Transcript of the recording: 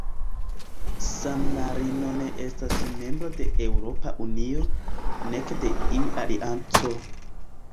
San-Marino ne estas membro de Eŭropa Unio, nek de iu alianco.